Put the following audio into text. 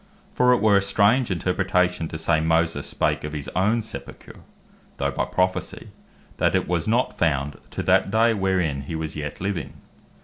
For it were a strange interpretation, to say Moses spake of his own sepulcher (though by Prophecy), that it was not found to that day, wherein he was yet living.